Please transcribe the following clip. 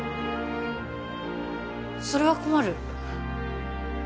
それは困る